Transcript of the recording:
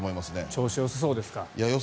調子はよさそうですか？